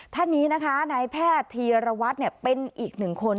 ท่านนี้นะคะนายแพทย์ธีรวรรณเฮมจุฬาลงกรมหาวิทยาศาสตร์เป็นอีกหนึ่งคน